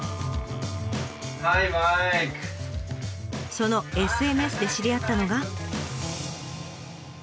そのＳＮＳで知り合ったのが。